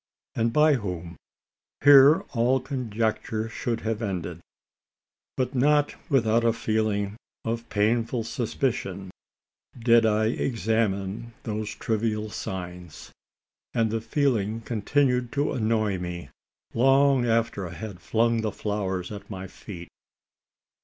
and by whom? Here all conjecture should have ended; but not without a feeling of painful suspicion did I examine those trivial signs; and the feeling continued to annoy me, long after I had flung the flowers at my feet.